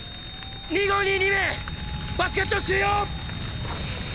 ２５２２名バスケット収容。